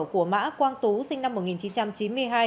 của mã quang tú sinh năm một nghìn chín trăm chín mươi hai